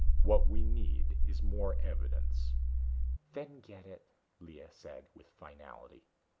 What we need is more evidence." "Then get it," Lea said with finality.